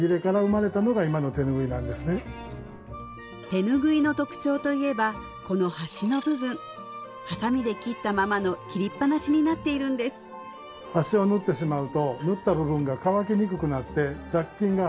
手ぬぐいの特徴といえばこの端の部分はさみで切ったままの切りっぱなしになっているんです手ぬぐいを染めてみよう！